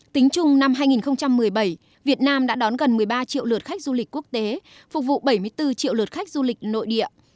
tính chung năm hai nghìn một mươi bảy việt nam đã đón gần một mươi ba triệu lượt khách du lịch quốc tế phục vụ bảy mươi bốn triệu lượt khách du lịch nội địa